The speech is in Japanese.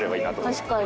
確かに。